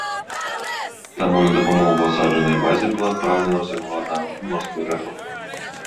Таму на дапамогу асаджанай базе была адпраўлена ўсяго адна рота марской пяхоты.